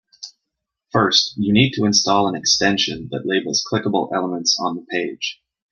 First, you need to install an extension that labels clickable elements on the page.